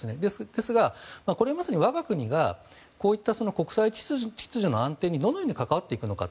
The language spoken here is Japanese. ですが、我が国がこういった国際秩序の安定にどのように関わっていくのか。